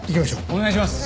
お願いします。